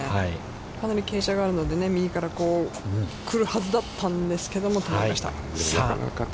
かなり傾斜があるので右から来るはずだったんですけど捉えました。